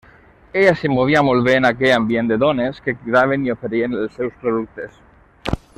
Ella s'hi movia molt bé, en aquell ambient de dones que cridaven i oferien els seus productes.